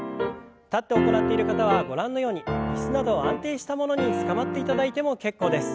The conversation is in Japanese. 立って行っている方はご覧のように椅子など安定したものにつかまっていただいても結構です。